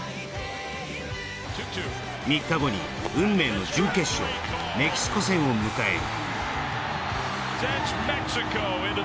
３日後に運命の準決勝、メキシコ戦を迎える。